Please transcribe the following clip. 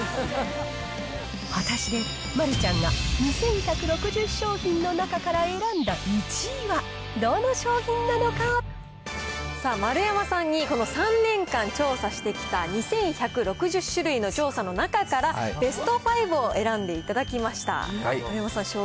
果たして、丸ちゃんが２１６０商品の中から選んだ１位は、どの商さあ、丸山さんに、この３年間調査してきた２１６０種類の調査の中から、ベスト５を選んでいただきました。